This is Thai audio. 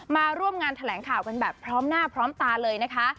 มาร่วมงานแถลงข่าวกันแบบพร้อมหน้าพร้อมตาเลยนะคะ